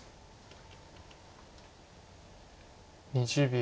２０秒。